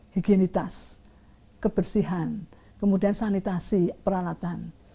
higienitas kebersihan kemudian sanitasi peralatan